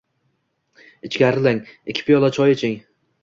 — Ichkarilang. Ikki piyola choy iching.